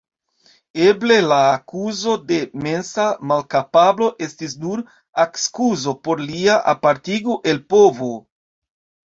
Eble la akuzo de mensa malkapablo estis nur akskuzo por lia apartigo el povo.